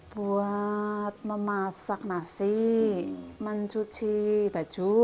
buat memasak nasi mencuci baju